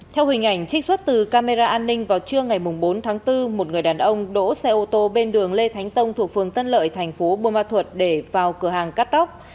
theo hình ảnh trích xuất từ camera an ninh vào trưa ngày bốn tháng bốn một người đàn ông đỗ xe ô tô bên đường lê thánh tông thuộc phường tân lợi thành phố bô ma thuật để vào cửa hàng cắt tóc